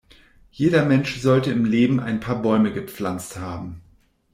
Jeder Mensch sollte im Leben ein paar Bäume gepflanzt haben.